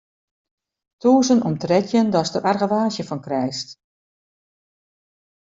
Tûzen om trettjin datst der argewaasje fan krijst.